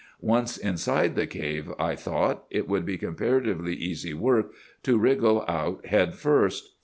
Once inside the cave, I thought, it would be comparatively easy work to wriggle out head first.